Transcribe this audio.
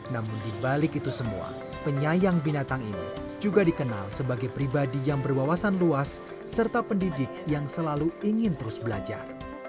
namun dibalik itu semua penyayang binatang ini juga dikenal sebagai pribadi yang berwawasan luas serta pendidik yang selalu ingin terus belajar